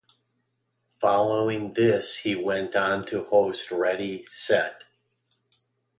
Following this he went on to host Ready.. Set...